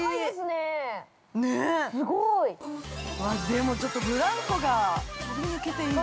でも、ちょっと、ブランコが飛び抜けていいね。